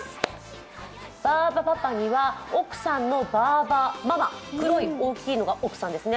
バーバパパには奥さんのバーバママ、黒い大きいのが奥さんですね。